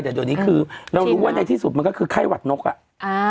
แต่เดี๋ยวนี้คือเรารู้ว่าในที่สุดมันก็คือไข้หวัดนกอ่ะอ่า